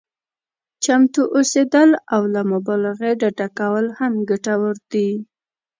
چمتو اوسېدل او له مبالغې ډډه کول هم ګټور دي.